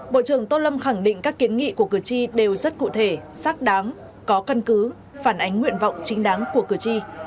bộ trưởng tô lâm khẳng định các kiến nghị của cử tri đều rất cụ thể xác đáng có căn cứ phản ánh nguyện vọng chính đáng của cử tri